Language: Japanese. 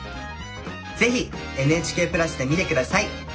是非「ＮＨＫプラス」で見て下さい。